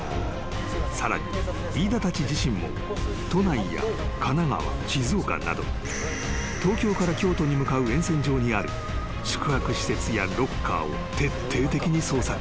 ［さらに飯田たち自身も都内や神奈川静岡など東京から京都に向かう沿線上にある宿泊施設やロッカーを徹底的に捜索した］